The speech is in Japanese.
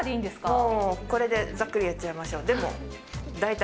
もうこれでざっくりやっちゃいましょう。